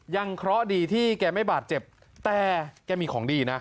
เคราะห์ดีที่แกไม่บาดเจ็บแต่แกมีของดีนะ